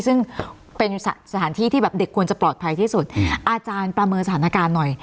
ซึ่งเป็นสถานที่ที่แบบเด็กควรจะปลอดภัยที่สุดอาจารย์ประเมินสถานการณ์หน่อย